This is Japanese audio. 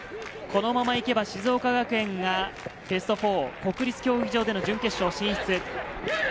このまま行けば静岡学園がベスト４、国立競技場での準決勝進出。